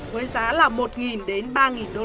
với giá là một đến ba usd